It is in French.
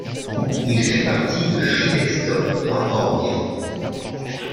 Il fait partie de Freedesktop.org.